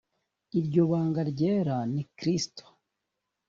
iryo banga ryera ni kristo